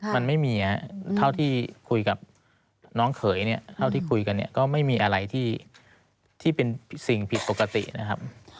มันไม่มีเท่าที่คุยกับน้องเขยเนี่ยเท่าที่คุยกันเนี่ยก็ไม่มีอะไรที่เป็นสิ่งผิดปกตินะครับ